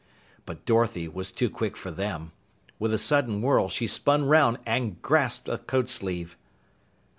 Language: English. But Dorothy was too quick for them. With a sudden whirl, she spun 'round and grasped a coatsleeve.